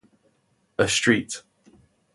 A street.